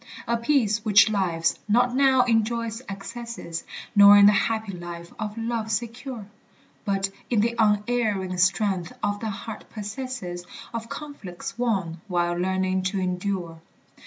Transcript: A peace which lives not now in joy's excesses, Nor in the happy life of love secure, But in the unerring strength the heart possesses, Of conflicts won, while learning to endure.